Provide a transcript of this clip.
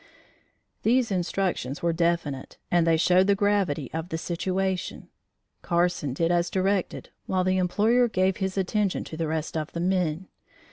These instructions were definite and they showed the gravity of the situation. Carson did as directed, while the employer gave his attention to the rest of the men.